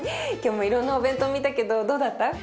今日もいろんなお弁当見たけどどうだった？